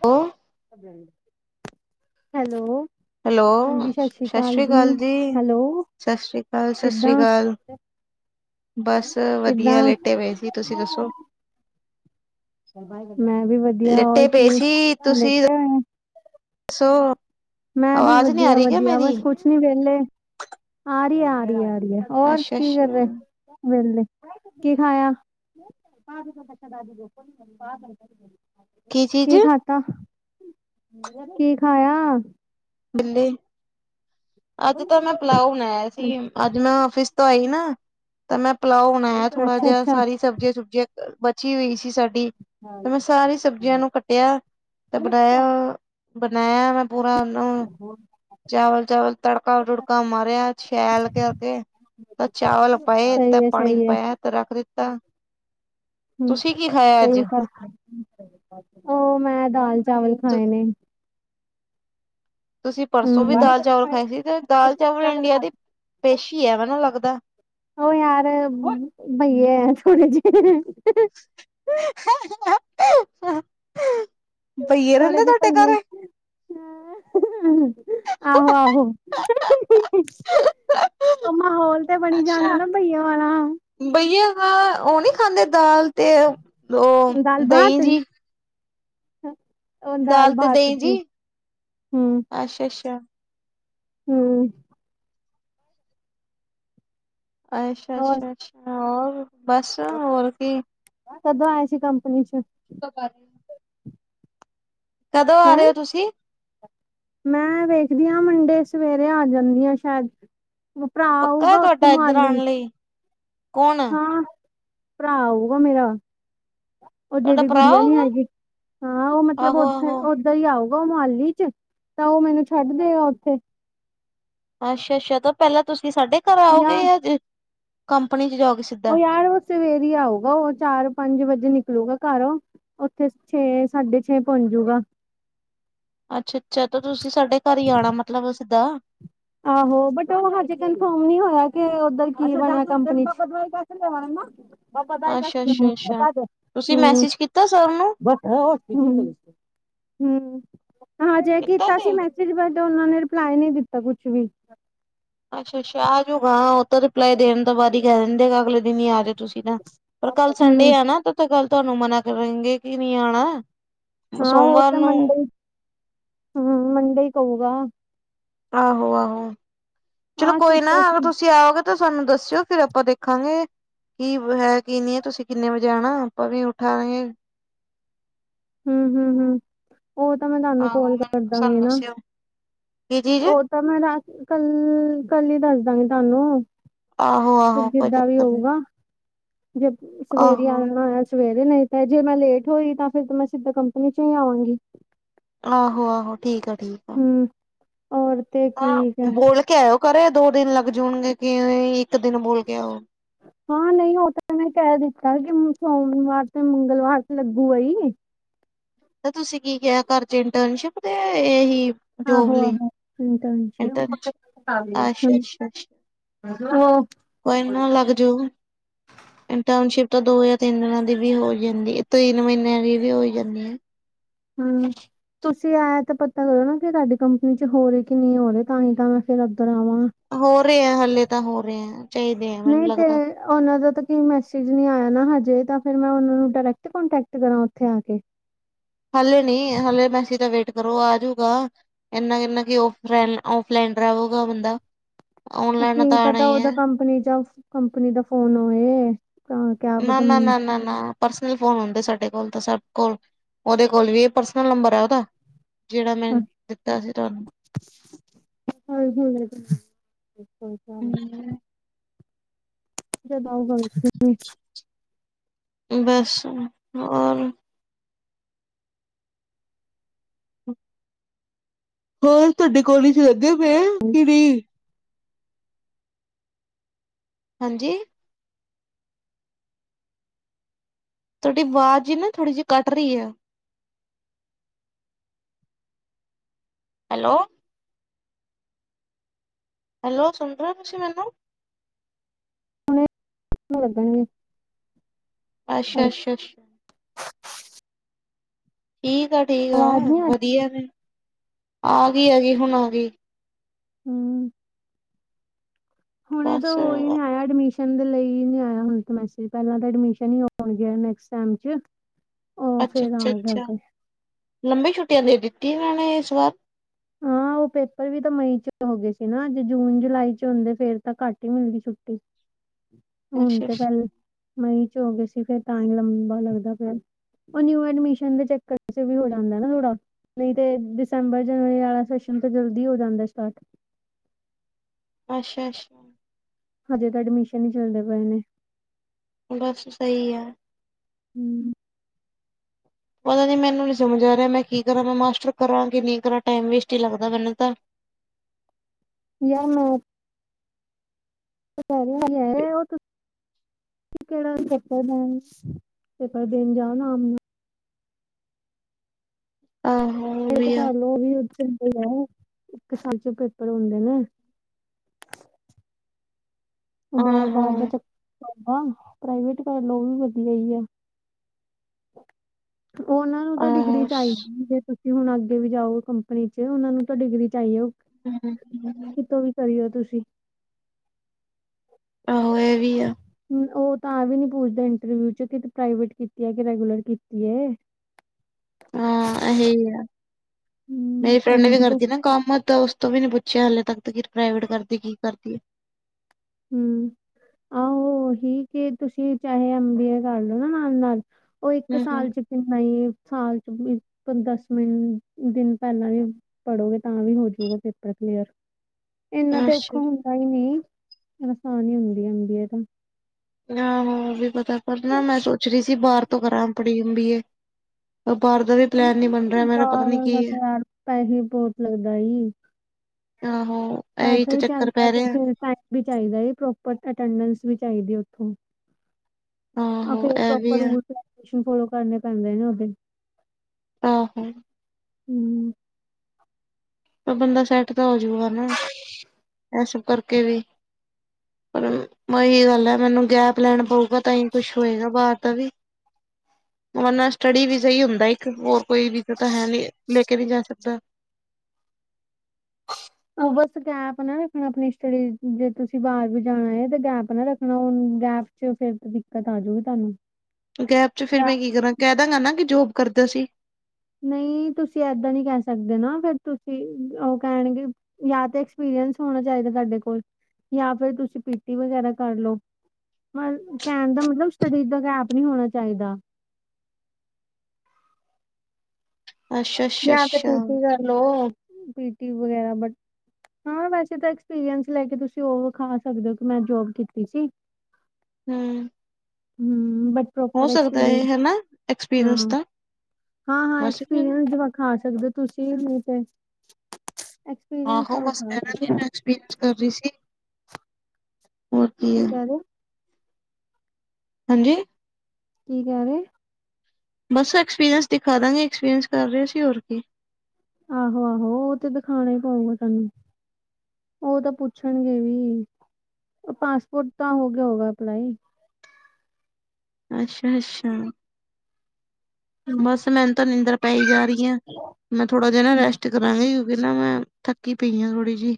Hello hello hello ਹਾਂਜੀ ਸ੍ਰੀ ਸਤਿ ਅਕਾਲ ਸ਼੍ਰੀ ਕਾਲ ਜੀ। ਹੈਲੋ ਸਤਿ ਸ਼੍ਰੀ ਕਾਲ-ਸਤਿ ਸ਼੍ਰੀ ਕਿੱਦਾਂ? ਕਾਲ। ਬਸ ਵਧੀਆ ਕਿੱਦਾਂ? ਲੇਟੇ ਹੋਏ ਸੀ। ਤੁਸੀਂ ਦੱਸੋ? ਮੈਂ ਵੀ ਵਧੀਆ ਹੋਰ ਲੇਟੇ ਕੀ ਪਏ ਲੇਟੇ ਹੋਏ ਓਂ ਸੋ- ਮੈਂ ਵੀ ਵਧੀਆ-ਵਧੀਆ ਬਸ ਕੁੱਛ ਨੀ ਵੇਲੇ ਆ ਰੀ ਐ ਆ ਰੀ ਐ ਰਹੀ ਐ। ਹੋਰ ਅੱਛਾ ਕੀ ਅੱਛਾ ਕਰ ਰੇ ਵੇਲੇ ਕੀ ਖਾਇਆ ਕੀ ਖਾ ਦਾ ਕੀ ਖਾਯਾ? ਬਿੱਲੀ ਅੱਜ ਤਾਂ ਮੈਂ ਪਲਾਓ ਬਣਾਇਆ ਸੀ ਅੱਜ ਮੈਂ ਆਫਿਸ ਤੋਂ ਆਈ ਨਾ ਤਾਂ ਮੈਂ ਪਿਲਾਓ ਬਣਾਇਆ ਥੋੜਾ ਅੱਛਾ ਜਿਹਾ ਅੱਛਾ। ਸਾਰੀ ਸਬਜ਼ੀ-ਸੁਬਜ਼ੀਆ ਬਚੀ ਹੋਈ ਸੀ ਸਾਡ ਤੇ ਮੈਂ ਸਾਰੀ ਸਬਜ਼ੀਆਂ ਨੂੰ ਕੱ ਟਆ ਤੇ ਬਣਾਯਾ-ਬਣਾਯਾ ਮੈਂ ਪੂਰਾ ਹੋਰ ਚਾਵਲ ਚਾਵਲ ਤੜਕਾ-ਤੁੜਕਾ ਮਾਰਿਆ ਸ਼ੈਲ ਕਰਕੇ ਤਾਂ ਚਾਵਲ ਪਾਏ ਸਹੀ ਤਾਂ ਹੈ ਪਾਣੀ ਸਹੀ ਹੈ, ਪਾਇਆ ਤਾਂ ਰੱਖ ਦਿੱਤਾ। ਤੁਸੀਂ ਕੀ ਖਾਯਾ ਅੱਜ? ਓ ਮੈਂ ਦਾਲ-ਚਾਵਲ ਖਾਏ ਨੇ। ਤੁਸੀਂ ਪਰਸੋਂ ਵੀ ਹੂੰ। ਦਾਲ-ਚਾਵਲ ਖਾਏ ਸੀ ਤੇ ਦਾਲ-ਚਾਵਲ ਇੰਡੀਆ ਦੀ ਪੇਸ਼ੀ ਹੈ ਵਾ ਨਾ ਲੱਗਦਾ। ਉਹ ਯਾਰ ਬਈਏ ਏ ਥੋੜੇ ਜੇ ਹਾਂਹਾਂ ਥੋੜੇ ਜੇ ਪਈਏ ਆਹੋ-ਆਹੋ। ਓ ਮਾਹੌਲ ਤੇ ਬਣੀ ਜਾਂਦਾ ਅੱਛਾ ਨਾ ਭਈਆ ਵਾਲਾ। ਬਈਆ ਹਾ ਓ ਨੀ ਖਾਂਦੇ ਦਾਲ ਤੇ ਓ ਦਈ ਜੀ। ਓ ਦਾਲ ਦਾਲ-ਬਤ ਜੀ ਹੂੰ ਅੱਛਾ-ਅੱਛਾ। ਹੂੰ। ਹੋਰ ਅੱਛਾ-ਅੱਛਾ-ਅੱਛਾ ਹੋਰ ਬਸ ਹੋਰ ਕੀ ਕਦੋਂ ਆਏ ਸੀ ਕੰਪਨੀ ਚ? ਕਬ ਆਏ? ਕਦੋਂ ਆ ਹੈਂ ਰਹੇ ਹੋ, ਤੁਸੀਂ? ਮੈਂ ਵੇਖਦੀ ਹਾਂ ਮੰਡੇ ਸਵੇਰੇ ਆ ਜਾਂਦੀ ਆ ਸ਼ਾਇਦ। ਭਰਾ ਪੱਕਾ ਆਊਗਾ ਉੱਥੇ ਤੁਹਾਡਾ ਇੱਧਰ ਮੋਹਾਲੀ ਆਉਣ ਲਈ, ਕੌਣ ਹਾਂ ਭਰਾ ਆਊਗਾ ਮੇਰਾ। ਉਹ ਤੁਹਾਡਾ ਜਿਹੜੀ ਭਰਾ ਗੁੜੀਆਂ ਨੀ ਹੋਗਾ ਹੈਗੀ, ਹਾਂ ਉਹ ਮਤਲਬ ਆਹੋ ਓਥੇ ਆਹੋ ਸਿੱਧਾ ਹੀ ਆਊਗਾ ਮੋਹਾਲੀ ਚ, ਤਾਂ ਉਹ ਮੈਨੂੰ ਛੱਡ ਦੇਗਾ ਉੱਥੇ। ਅੱਛਾ-ਅੱਛਾ, ਤਾਂ ਪਹਿਲਾਂ ਤੁਸੀਂ ਸਾਡੇ ਘਰ ਆਓਗੇ, ਜਾਂ ਕੰਪਨੀ ਚ ਜਾਓਗੇ ਸਿੱਧਾ ਉਹ ਯਾਰ ਸਵੇਰ ਹੀ ਆਊਗਾ, ਉਹ ਚਾਰ ਪੰਜ ਵਜੇ ਨਿਕਲੂਗਾ ਘਰੋ ਉੱਥੇ ਛੇ, ਸਾਢੇ ਛੇ, ਪਹੁੰਚ ਜਾਊਗਾ। ਅੱਛਾ-ਅੱਛਾ, ਤਾਂ ਤੁਸੀਂ ਸਾਡੇ ਘਰ ਹੀ ਆਉਣਾ ਮਤਲਬ ਸਿੱਧਾ। ਆਹੋ ਬਟ ਓਹ ਹਜੇ ਕਨਫਰਮ ਨਹੀਂ ਹੋਇਆ, ਕੇ ਉਧਰ ਕੀ ਬਣਿਆ ਕੰਪਨੀ ਚ [unintelligible] ਬਸ ਪਤਾ ਹੈ ਅੱਛਾ ਡਾਕਟਰ ਅੱਛਾ ਨੂੰ ਅੱਛਾ ਤੁਸੀਂ ਮੈਸੇਜ ਕੀਤਾ ਸਰ ਨੂੰ [unintelligible] ਹੂੰ, ਹਾਂ ਜੇ ਕੀਤਾ ਸੀ ਮੈਸੇਜ ਬੱਟ ਉਹਨਾਂ ਨੇ ਰਿਪਲਾਈ ਨਹੀਂ ਦਿੱਤਾ ਤਾਂ ਕੁਛ ਵੀ। ਅੱਛਾ-ਅੱਛਾ, ਆਜੂਗਾ ਉਹ ਤਾਂ ਰਿਪਲਾਈ ਦੇਣ ਤੋਂ ਬਾਅਦ ਹੀ ਕਹਿ ਦਿੰਦੇ ਅਗਲੇ ਦਿਨ ਹੀ ਆਜੋ ਤੁਸੀਂ ਨਾ ਪਰ ਕੱਲ ਸੰਡੇ ਹੂੰ ਆਣਾ ਕੱਲ ਤੁਹਾਨੂੰ ਮਨਾ ਕਰਨਗੇ ਕਿ ਨਹੀਂ ਆਉਣਾ। ਹਾਂ ਉਹ ਸੋਮਵਾਰ ਤਾਂ ਨੂੰ ਮੰਡੇ, ਹੂੰ ਮੰਡੇ ਕਹੂਗਾ। ਆਹੋ-ਆਹੋ, ਚਲੋ ਆਹ ਕੋਈ ਨਾ ਕੀਤਾ ਅਗਰ ਸੀ ਤੁਸੀਂ ਆਓਗੇ ਤਾਂ ਸਾਨੂੰ ਦੱਸਿਓ, ਫਿਰ ਆਪਾਂ ਦੇਖਾਂਗੇ ਕੀ ਹੈ ਕੀ ਨਹੀਂ ਹੈ ਤੁਸੀਂ ਕਿੰਨੇ ਵਜੇ ਆਉਣਾ ਆਪਾਂ ਵੀ ਉਠਾਏ। ਹੂੰ-ਹੂੰ--ਹੂੰ ਉਹ ਤਾਂ ਮੈਂ ਤੁਹਾਨੂੰ ਆਹੋ ਕੋਲ ਕਰ ਮੈਨੂੰ ਦਾਂਗੀ ਸਾਨੂੰ ਨਾ, ਦੱਸਿਓ ਕੀ ਚੀਜ਼ ਉਹ ਤਾਂ ਮੈਂ ਰਾਤ ਕੱਲ, ਕੱਲ ਹੀ ਦੱਸ ਦਾਂਗੀ ਤੁਹਾਨੂੰ। ਆਹੋ-ਆਹੋ ਕੋਈ ਜਿਦਾਂ ਵੀ ਚੱਕਰ ਨੀ ਹੋਊਗਾ ਜੇ ਸਵੇਰੇ ਆਹੋ। ਆਉਣਾ ਹੋਇਆ ਸਵੇਰੇ, ਨਹੀਂ ਤਾਂ ਜੇ ਮੈਂ ਲੇਟ ਹੋਈ ਤਾਂ ਫਿਰ ਮੈਂ ਸਿੱਦਾਂ ਕੰਪਨੀ ਚ ਹੀ ਆਵਾਂਗੀ। ਆਹੋ-ਆਹੋ, ਠੀਕ ਆ ਠੀਕ। ਹੂੰ, ਔਰ? ਤੇ ਕੀ ਹਾਂ ਬੋਲ ਕੇ ਆਇਓ ਘਰੇ ਦੋ ਦਿਨ ਲੱਗ ਜਾਣਗੇ ਕਿ ਇੱਕ ਦਿਨ ਬੋਲ ਕੇ ਆਓ। [inaudible] ਹਾਂ ਨਹੀਂ ਉਹ ਤਾਂ ਮੈ ਕਹਿ ਦਿੱਤਾ ਕਿ ਸੋਮਵਾਰ ਤੇ ਮੰਗਲਵਾਰ ਲੱਗੂ ਗਾ ਹੀ। ਤੇ ਤੁਸੀਂ ਕੀ ਕਿਹਾ ਘਰ ਚ ਇੰਟਰਨਸ਼ਿਪ ਤੇ ਆਏ ਸੀ ਜੋਬ ਆਹੋ ਲਈ। ਆਹੋ ਇੰਟਨ ਅੱਛਾ-ਅੱਛਾ-ਅੱਛਾ। ਉਹ ਕੋਈ ਨਾ ਲੱਗ ਜਾਊਗਾ। ਇੰਟਰਨਸ਼ਿਪ ਤਾਂ ਦੋ ਜਾਂ ਤਿੰਨ ਦਿਨਾਂ ਦੀ ਵੀ ਹੋ ਜਾਂਦੀ ਤਿੰਨ ਮਹੀਨਿਆਂ ਦੀ ਵੀ ਹੋ ਜਾਂਦੀ ਹੈ। ਹੂੰ। ਤੁਸੀਂ ਆਏ ਤੇ ਪਤਾ ਕਰੋ ਨਾ ਕਿ ਤੁਹਾਡੀ ਕੰਪਨੀ ਚ ਹੋ ਰਹੀ ਕਿ ਨਹੀਂ ਹੋ ਰਹੇ ਤਾਂ ਹੀ ਤਾਂ ਮੈਂ ਫਿਰ ਇੱਧਰ ਆਵਾਂ। ਹੋ ਰਹੇ ਆ, ਹਲੇੇ ਤਾਂ ਹੋ ਰਿਹੇ ਹੈ। ਨਹੀਂ ਤੇ ਉਹਨਾਂ ਦਾ ਤਾਂ ਕਈ ਮੈਸੇਜ ਨੀ ਆਇਆ ਨਾ ਹਜੇ, ਤਾਂ ਫਿਰ ਮੈਂ ਉਹਨਾਂ ਨੂੰ ਡਾਇਰੈਕਟ ਕੰਟੈਕਟ ਕਰਾਂ ਉੱਥੇ ਆ ਕੇ। ਹਲੇੇ ਨੀ ਹਲੇੇ ਮੈਸੇਜ ਦਾ ਵੇਟ ਕਰੋ ਆਜੂਗਾ ਇੰਨਾ ਕਿੰਨਾ ਕਿ ਆਫ ਆਫਲਾਈਨ ਉਦਾਂ ਬੰਦਾ। ਉਹ ਔਨਲਾਈਨ ਕੀ ਤਾਂ ਆਣਾ ਪਤਾ ਹੀ ਉਹਦਾ ਹੈ। ਕੰਪਨੀ ਜਾਂ ਕੰਪਨੀ ਦਾ ਫੋਨ ਹੋਏ। ਤਾਂ ਕਿਆ ਨਾ ਪਤਾ ਨਾ ਮੈਨੂੰ ਨਾ ਨਾ। ਪਰਸਨਲ ਫੋਨ ਹੁੰਦੇ ਸਾਡੇ ਕੋਲ ਤਾਂ ਸਬ ਕੋਲ ਓਹਦੇ ਕੋਲ ਵੀ ਇਹ ਪਰਸਨਲ ਨੰਬਰ ਹੈ ਉਹਦਾ। ਜਿਹੜਾ ਮੈਂ ਦਿੱਤਾ ਸੀ ਤੁਹਾਨੂੰ। ਹਾਂਜੀ-ਹਾਂਜੀ [unintelligible] ਹੂੰ, [inaudible] ਬਸ ਹੁਨ ਹੋਰ ਹੋਰ ਤੁਹਾਡੇ ਕੋਲੇਜ ਲੱਗੇ ਪਏ ਕਿ ਨਈ ਹਾਂਜੀ ਤੁਹਾਡੀ ਆਵਾਜ਼ ਹੀ ਨਾ ਥੋੜੀ ਜਿਹੀ ਕੱਟ ਰਈ ਐ। ਹੈਲੋ ਹੈਲੋ ਸੁਨ ਰਏ ਓ ਤੁਸੀ ਮੈਂਨੂੰ ਲੱਗਨਗੇ। ਅੱਛਾ-ਅੱਛਾ-ਅੱਛਾ ਠੀਕ ਆ ਠੀਕ ਆ ਆਵਾਜ਼ ਨੀ ਵਧੀਆ ਨੇ ਆ ਗੀ ਆ ਗੀ ਹੁਨ ਆ ਗੀ। ਹੂੰ ਹੁਨੇ ਤਾਂ ਬਸ ਓਹੀ ਨੀ ਆਇਆ ਐਡਮੀਿਸ਼ ਨ ਦੇ ਲਈ ਹੀਂ ਨਈ ਆਇਆ ਹੁਨੇ ਪੈਲਾਂ ਐਡਮਿਸ਼ਨ ਹੀ ਹੋਨਗੇ ਨੈਕਸਟ ਟੈਮ 'ਚ। ਉਹ ਫੇਰ ਆਊਗਾ ਅੱਛਾ-ਅੱਛਾ-ਅੱਛਾ ਅੱਗੇ ਲੰਬੀ ਛੁੱਟੀਆਂ ਦੇ ਦਿੱਤੀ ਇਹਨਾਂ ਨੇ ਇਸ ਵਾਰ ਹਾਂ ਓ ਪੇਪਰ ਵੀ ਤਾਂ ਮਈ 'ਚ ਹੋ ਗਏ ਸੀ ਨਾ ਜੂਨ ਜੁਲਾਈ 'ਚ ਹੁੰਦੇ ਫਿਰ ਤਾਂ ਘੱਟ ਹੀ ਮਿਲਦੀ ਛੁੱਟੀ ਹੁਨ ਅੱਛਾ ਤੇ ਅੱਛਾ ਪੈਲੇ ਮਈ 'ਚ ਹੋ ਗਏ ਸੀ ਫਿਰ ਤਾਂ ਹੀ ਲੰਬਾ ਲੱਗਦਾ ਪਿਆ। ਓ ਨਿਊ ਐਡਮਿਸ਼ਨ ਦੇ ਚੱਕਰ 'ਚ ਵੀ ਹੋ ਜਾਂਦਾ ਨਾ ਥੋੜਾ ਨਈ ਤੇ ਦਸੰਬਰ ਜਨਵਰੀ ਵਾਲਾ ਸੈਸ਼ਨ ਤਾਂ ਜਲਦੀ ਹੋ ਜਾਂਦਾ ਸਟਾਰਟ ਅੱਛਾ-ਅੱਛਾ ਹਜੇ ਤਾਂ ਐਡਮਿਸ਼ਨ ਹੀ ਚੱਲਦੇ ਪਏ ਨੇ। ਵੈਸੇ ਸਹੀ ਐ। ਹੂੰ ਪਤਾ ਨੀ ਮੈਨੂੰ ਨੀ ਸਮਝ ਆ ਰਿਆ ਮੈਂ ਕੀ ਕਰਾਂ ਮੈਂ ਮਾਸਟਰ ਕਰਾਂ ਕੀ ਨਈ ਕਰਾਂ ਟਾਈਮ ਵੇਸਟ ਹੀ ਲੱਗਦਾ ਮੈਨੂੰ ਤਾਂ ਯਾਰ ਮੈਂ [inaudible] ਕਿਹੜਾ ਚੱਕਰ ਦੇਨ ਪੇਪਰ ਦੇਨ ਜਾਓ ਨਾ ਆਹੋ ਉਹ ਵੇਟ ਵੀ ਆ ਕਰਲੋ [unintelligible] ਇੱਕ ਸਾਲ 'ਚ ਪੇਪਰ ਹੁੰਦੇ ਨੇ। ਓਹ ਆਹੋ ਬਾਰ-ਬਾਰ ਦਾ ਚੱਕਰ ਤੁਆਡਾ ਪ੍ਰਾਈਵੇਟ ਕਰ ਲੋ ਓਹ ਵੀ ਵਧੀਆ ਈ ਆ। ਓਹਨਾਂ ਤਾਂ ਡਿਗਰੀ ਆਹੋ ਚਾਹੀਦੀ ਏ। ਤੁਸੀਂ ਹੁਨ ਅੱਗੇ ਵੀ ਜਾਓ ਕੰਪਨੀ 'ਚ ਓਹਨਾਂ ਨੂੰ ਤਾਂ ਡਿਗਰੀ ਚਾਹੀਏ ਹਮ, ਕਿਤੋਂ ਵੀ ਕਰੀਓ ਤੁਸੀਂ ਆਹੋ ਇਹ ਵੀ ਆ ਓ ਤਾਂ ਆ ਵੀ ਨੀ ਪੁੱਛਦੇ ਇੰਟਰਵਿਊ 'ਚ ਕਿ ਪ੍ਰਵੇਟ ਕੀਤੀ ਏ ਕਿ ਰੈਗੂਲਰ ਕੀਤੀ ਏ। ਹਾਂ ਇਹੀ ਏ ਹੂੰ ਮੇਰੀ ਫਰੈਂਡ ਐਮ ਵੀ ਕਰਦੀ ਨਾ ਕੰਮ ਤੋਸ ਤੋਂ ਵੀ ਨੀ ਪੁੱਛਿਆ ਹਾਲੇ ਤੱਕ ਕੀ ਪ੍ਰਾਈਵੇਟ ਕਰਦੀ ਕੀ ਕਰਦੀ ਏ। ਹੂੰ ਆਹੋ ਓਹੀ ਕਿ ਤੁਸੀਂ ਚਾਹੇ ਐਮ ਬੀ ਏ ਕਰ ਲਓ ਨਾ ਨਾਲ-ਨਾਲ ਓਹੀ ਤੇ ਹੂੰ ਹੂੰ ਸਾਲ 'ਚ ਕਿੰਨਾ ਸਾਲ 'ਚ ਦਸ ਮਿੰ ਦਿਨ ਪੈਲਾਂ ਏ। ਪੜੋਗੇ ਤਾਂ ਵੀ ਹੋਜੂਗਾ ਪੇਪਰ ਕਲੀਅਰ ਇੰਨਾ ਤੇ ਅੱਛਾ। ਔਖਾ ਹੁੰਦਾ ਹੀ ਨਈ ਆਸਾਨ ਹੀ ਹੁੰਦੀ ਹੁੰਦੀ ਏ ਐਮ ਬੀ ਏ ਤੇ ਯਾਂ ਓ ਵੀ ਪਤਾ ਕਰਨਾ ਮੈਂ ਸੋਚ ਰਈ ਸੀ ਬਾਰ ਤੋਂ ਕਰਾਂ ਆਪੜੀ ਐਮ ਬੀ ਏ ਪਰ ਬਾਰ ਦਾ ਪਲੈਨ ਨੀ ਬਨ ਬਾਰ ਦਾ ਤੇ ਪੈਹੀ ਬਹੁਤ ਲੱਗਦਾ ਈ। ਆਹੋ ਇਹੀ ਵੈਸੇ ਤਾਂ ਵੀ ਚੱਕਰ ਚਈਦਾ ਪੈ ਤੇ ਰਿਹਾ। ਫਿਰ ਵੀ ਚਾਹੀਦਾ ਏ ਪ੍ਰੋਪਰ ਅਟੈਂਡੈਂਸ ਵੀ ਚਾਹੀਦੀ ਉਥੋਂ। ਆ ਆਹੋ ਫੇਰ ਇਹ ਵੀ ਪ੍ਰੋਪਰ ਆ ਰੂਲਸ ਐਂਡ ਰੈਗੂਲੇਸ਼ਨ ਫੋਲੋ ਕਰਨੇ ਪੈਂਦੇ ਨੇ ਉਹਦੇ। ਆਹੋ। ਹਮ। ਪਰ ਬੰਦਾ ਸੈੱਟ ਤਾਂ ਹੋ ਜਾਊਗਾ ਨਾ ਇਹ ਸਭ ਕਰਕੇ ਵੀ ਪਰ ਵਹੀ ਗੱਲ ਹੈ ਮੈਨੂੰ ਗੈਪ ਲੈਣਾ ਪਊਗਾ ਤਾਂ ਹੀ ਕੁਛ ਹੋਏਗਾ ਬਾਹਰ ਦਾ ਵੀ ਵਰਨਾ ਸਟਡੀ ਵੀਜਾ ਹੀ ਅਪਲਾਈ ਕਰੋ ਹੋਰ ਕੋਈ ਵੀਜ਼ਾ ਤੇ ਹੈ ਨਹੀਂ ਲੈ ਕੇ ਨਹੀਂ ਜਾ ਸਕਦਾ। ਉਹ ਬਸ ਗੈਪ ਨਾ ਰੱਖਣਾ ਆਪਣੀ ਸਟੱਡੀ ਜੇ ਤੁਸੀਂ ਬਾਹਰ ਵੀ ਜਾਣਾ ਹੈ ਤੇ ਗੈਪ ਨਾ ਰੱਖਣਾ ਹ ਗੈਪ ਜਿਉ ਫਿਰ ਤੇ ਦਿੱਕਤ ਆ ਜਾਊਗੀ ਤੁਹਾਨੂੰ। ਗੈਪ ਚ ਫਿਰ ਯਾ- ਮੈਂ ਕੀ ਕਰਾਂ ਕਹਿ ਦਾਂਗਾ ਨਾ ਕਿ ਜੋਬ ਕਰਦਾ ਸੀ। ਨਹੀਂ ਤੁਸੀਂ ਏਦਾਂ ਨਹੀਂ ਕਹਿ ਸਕਦੇ ਨਾ ਫੇਰ ਤੁਸੀਂ ਉਹ ਕਹਿਣਗੇ ਜਾਂ ਤੇ ਐਕਸਪੀਰੀਅਸ ਹੋਣਾ ਚਾਹੀਦਾ ਤੁਹਾਡੇ ਕੋਲ ਜਾਂ ਫਿਰ ਤੁਸੀਂ ਪੀਟੀ ਵਗੈਰਾ ਕਰ ਲਓ। ਹਾਂ ਕਹਿਣ ਦਾ ਮਤਲਬ ਸਟਡੀਜ ਦਾ ਗੈਪ ਨਹੀਂ ਹੋਣਾ ਚਾਹੀਦਾ। ਅੱਛਾ ਅੱਛਾ ਜਾਂ ਤੇ ਅੱਛਾ ਪੀਟੀ ਕਰ ਲੋ ਪੀਟੀ ਵਗੈਰਾ ਬਟ ਹਾਂ ਵੈਸੇ ਤਾਂ ਐਕਸਪੀਰੀਅੰਸ ਲੈ ਕੇ ਤੁਸੀਂ ਉਹ ਵਿਖਾ ਸਕਦੇ ਹੋ ਕਿ ਮੈਂ ਜੋਬ ਕੀਤੀ ਸੀ। ਹਮ। ਹਮ ਬਟ ਹੋ ਪ੍ਰੋਪਰ ਸਕਦਾ ਐਕਸਪੀਰੀਅਂਸ ਹੈ ਹਨਾ ਐਕਸਪੀਰੀਅੰਸ ਹਮ ਤਾਂ ਹਾਂ ਹਾਂ ਬਸ ਫਿਰ ਐਕਸਪੀਰੀਅਂਸ ਵਿਖਾ ਸਕਦੇ ਹੋ ਤੁਸੀਂ ਵੀ ਤੇ ਐਕਸਪੀਰੀਅੰਸ ਆਹੋ ਤਾਂ ਬਸ ਵਿਖਾ ਕਹਿ ਦਾਂਗੀ ਕਿ ਸਕਦੇ ਹੋ। ਮੈਂ ਐਕਸਪੀਰੀਅਂਸ ਕਰ ਰਹੀ ਸੀ ਹੋਰ ਕੀ ਹੈ ਕਹਿ ਰਹੇ ਹਾਂਜੀ। ਕੀ ਕਹਿ ਰਹੇ? ਬਸ ਐਕਸਪੀਰੀਅੰਸ ਦਿਖਾ ਦਾਂਗੇ ਐਕਸਪੀਰੀਅੰਸ ਕਰ ਰਹੇ ਸੀ ਹੋਰ ਕੀ। ਆਹੋ ਆਹੋ ਉਹ ਤੇ ਦਿਖਾਣਾ ਹੀ ਪਾਊਗਾ ਤੈਨੂੰ। ਉਹ ਤਾਂ ਪੁੱਛਣਗੇ ਵੀ ਪਾਸਪੋਰਟ ਤਾਂ ਹੋ ਗਿਆ ਹੋਗਾ ਅਪਲਾਈ। ਅੱਛਾ ਅੱਛਾ ਬਸ ਮੈਨੂੰ ਤਾਂ ਨੀਂਦਰ ਪਾਈ ਜਾ ਰਹੀ ਹਾਂ ਮੈਂ ਥੋੜ੍ਹਾ ਜਿਹਾ ਨਾ ਰੈਸਟ ਕਰਾਂਗੀ ਕਿਉਂਕਿ ਨਾ ਮੈਂ ਥੱਕੀ ਪਈ ਹਾਂ ਥੋੜ੍ਹੀ ਜਿਹੀ।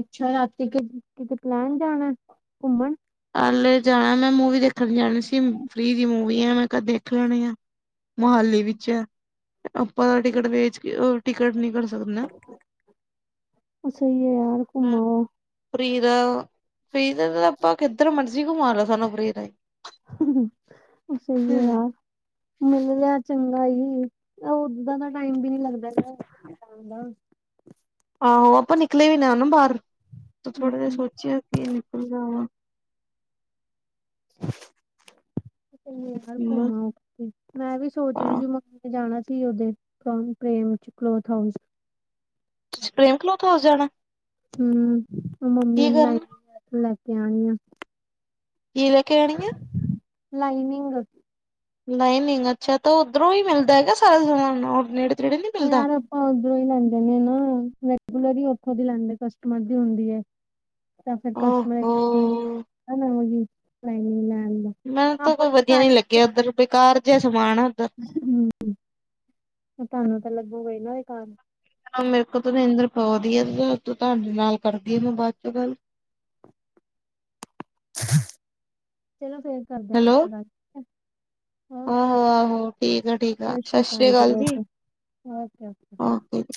ਅੱਛਾ ਰਾਤੀ ਕਿਤੇ ਪਲੈਣ ਜਾਣਾ ਘੁੰਮਣ ਹਾਲੇ ਜਾਣਾ ਮੈਂ ਮੂਵੀ ਦੇਖਣ ਜਾਣੀ ਸੀ ਫ੍ਰਰੀ ਦੀ ਮੂਵੀ ਆ ਮੈਂ ਕਦੇ ਕਿਹੜੀ ਆ? ਮੋਹਾਲੀ ਵਿੱਚ। ਆਪਾਂ ਟਿਕਟ ਵੇਚ ਟਿਕਟ ਨ ਕਰ ਸਕਦੇ ਨਾ ਅ ਸਹੀ ਏ ਯਾਰ ਘੁੰਮ ਆਓ। ਫਰੀ ਦਾ ਫਰੀ ਦਾ ਤਾਂ ਆਪਾਂ ਕਿੱਧਰ ਮਰਜ਼ੀ ਘੁਮਾ ਲਓ ਸਾਨੂੰ ਫਰੀ ਦਾ ਈ। ਸਹੀ ਏ ਯਾਰ। ਮਿਲ ਲਿਆ ਚੰਗਾ ਈ ਤਾਂ ਓਦਾਂ ਦਾ ਟਾਈਮ ਵੀ ਨੀ ਲੱਗਦਾ ਆਹੋ ਆਪਾਂ ਨਿਕਲੇ ਵੀ ਨੇ ਨਾ ਬਾਹਰ ਤੇ ਥੋੜੇ ਦੇ ਹਮ ਸੋਚਿਆ ਕਿ ਨਿਕਲ ਜਾ ਵਾ ਸਹੀ ਹੈ ਗਲ ਘੁੰਮ ਆਓੇ ਤੁਸੀ ਮੈਂ ਵੀ ਸੋਚ ਰਹੀ ਸੀ ਮੈ ਜਾਣਾ ਸੀ ਉਥੇ ਪ੍ਰੇਮ ਚ ਕਲੋਥ ਹਾਊਸ ਤੁਸੀਂ ਪ੍ਰੇਮ ਕਲੋਥ ਹਾਊਸ ਜਾਣਾ? ਹਮ ਮੰਮੀ ਕੀ ਨੂੰ ਲਾਈ ਕਰਨਾ ਲੈ ਕੇ ਆਣੀ ਆ ਕੀ ਲੈ ਕੇ ਆਣੀ ਆ? ਲਾਈਨਿੰਗ। ਲਾਈਨਿੰਗ ਅੱਛਾ ਤਾਂ ਉੱਧਰੋਂ ਹੀ ਮਿਲਦਾ ਹੈਗਾ ਸਾਰਾ ਸਮਾਨ ਉਹ ਨੇੜੇ ਤੇੜੇ ਨਹੀਂ ਉਹ ਮਿਲਦਾ? ਯਾਰ ਆਪਾਂ ਉੱਧਰੋਂ ਹੀ ਲੈਂਦੇ ਨੇ ਨਾ ਰੈਗੂਲਰੀ ਉੱਥੋਂ ਦੀ ਲੈਂਦੇ ਕਸਟਮਰ ਦੀ ਹੁੰਦੀ ਐ। ਤਾਂ ਫਿਰ ਕਸਟਮਰ [unintelligible] ਓਹੋ ਹਮ ਹੈ ਨਾ ਆਉਂਦੀ ਲਾਈਨਿੰਗ ਲੈਣ ਨੂੰ। ਮੈਨੂੰ ਤਾ ਕੋਈ ਵਧੀਆ ਨੀ ਲੱਗਿਆ ਉੱਧਰ ਬੇਕਾਰ ਜੇਆ ਸਮਾਨ ਆ ਉੱਧਰ। ਹਮ ਤੁਹਾਨੂੰ ਤਾਂ ਲੱਗੂਗਾ ਈ ਨਾ ਏ ਘਰ ਅਬ ਮੇਰੇ ਕੋ ਤੋ ਨੀਂਦਰ ਪੋ ਰੀ ਆ ਤ ਤੋ ਤਾਡੇ ਨਾਲ ਕਰਦੀ ਆਂ ਮੈਂ ਬਾਅਦ ਚੋਂ ਗੱਲ। ਚਲੋ ਫੇਰ। ਕਰਦੇ ਹੈਲੋ। ਆਪਾਂ ਗੱਲ ਓਕੇ ਆਹੋ ਆਹੋ, ਠੀਕ ਆ ਠੀਕ ਆ ਸਤਿ ਸ਼੍ਰੀ ਅਕਾਲ ਸਾਸ਼੍ਰੀਅਕਾਲ ਜੀ। Okay okay okay.